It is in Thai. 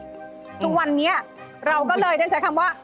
ทุกวันนี้เราก็เลยได้ใช้คำว่า